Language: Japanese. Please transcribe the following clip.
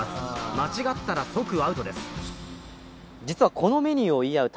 間違ったら即アウトです